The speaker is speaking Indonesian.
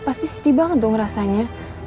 pasti sedih banget dong rasanya